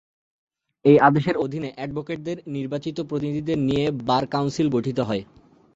এ আদেশের অধীনে অ্যাডভোকেটদের নির্বাচিত প্রতিনিধিদের নিয়ে বার কাউন্সিল গঠিত হয়।